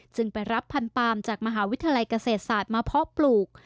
ไปรับพันปาล์มจากมหาวิทยาลัยเกษตรศาสตร์มาเพาะปลูก